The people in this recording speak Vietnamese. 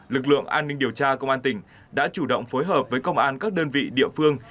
lực lượng an ninh điều tra công an tỉnh đã chủ động phối hợp với công an các đơn vị địa phương